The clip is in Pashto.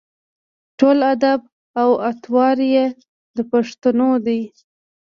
ټول اداب او اطوار یې د پښتنو دي.